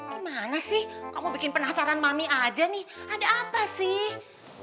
gimana sih kamu bikin penasaran mami aja nih ada apa sih